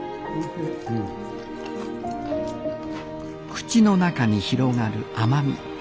口の中に広がる甘み。